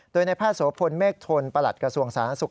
โดยในแพทย์โสพลเมฆทนประหลัดกระทรวงสาธารณสุข